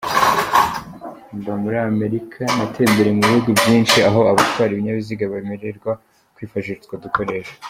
Mba muri Amerika, natembereye mu bihugu byinshi aho abatwara ibinyabiziga bemererwa kwifashisha utwo dukoresho.